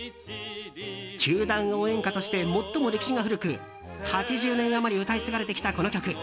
球団応援歌として最も歴史が古く８０年余り歌い継がれてきたこの曲。